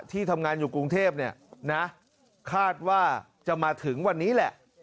ที่ทำงานอยู่กรุงเทพเนี่ยนะคาดว่าจะมาถึงวันนี้แหละ